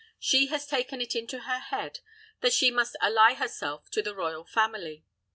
She has taken it into her head that she must ally herself to the royal family.